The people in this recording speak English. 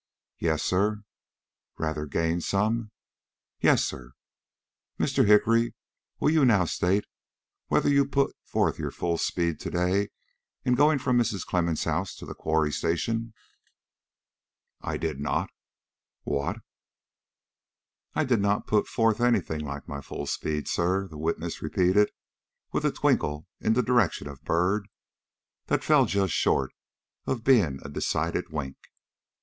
"Yes, sir." "Rather gained some?" "Yes, sir." "Mr. Hickory, will you now state whether you put forth your full speed to day in going from Mrs. Clemmens' house to the Quarry Station?" "I did not." "What?" "I did not put forth any thing like my full speed, sir," the witness repeated, with a twinkle in the direction of Byrd that fell just short of being a decided wink.